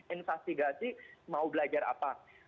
investigasi mau belajar apa